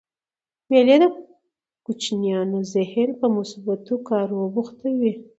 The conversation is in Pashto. مېلې د کوچنيانو ذهن په مثبتو کارو بوختوي.